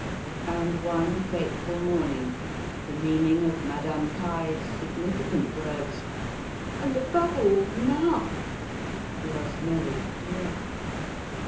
And one fateful morning the meaning of Madame Caille's significant words "and above all, now!" was made clear.